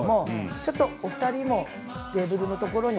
ちょっとお二人もテーブルのところに。